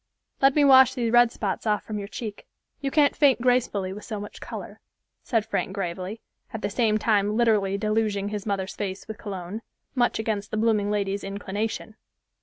"Let me wash these red spots off from your cheek. You can't faint gracefully with so much color," said Frank gravely, at the same time literally deluging his mother's face with cologne, much against the blooming lady's inclination.